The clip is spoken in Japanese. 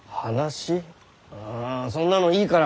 あそんなのいいから。